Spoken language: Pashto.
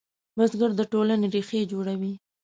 بزګر د ټولنې ریښې جوړوي